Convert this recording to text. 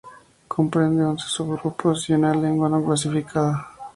Comprende once subgrupos y una lengua no clasificada.